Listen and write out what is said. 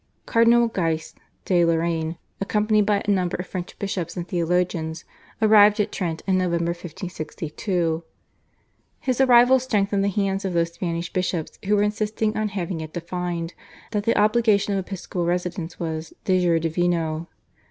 Cardinal Guise (de Lorraine) accompanied by a number of French bishops and theologians arrived at Trent in November 1562. His arrival strengthened the hands of those Spanish bishops who were insisting on having it defined that the obligation of episcopal residence was /de jure divino